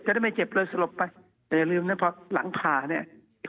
จะได้ไม่เจ็บเลยสลบไปแต่อย่าลืมเนี้ยเพราะหลังผ่าเนี้ย